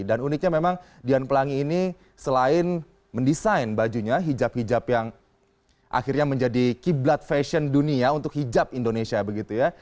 dan uniknya memang dian pelangi ini selain mendesain bajunya hijab hijab yang akhirnya menjadi kiblat fashion dunia untuk hijab indonesia begitu ya